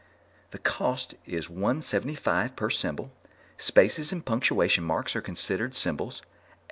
"The cost is one seventy five per symbol. Spaces and punctuation marks are considered symbols.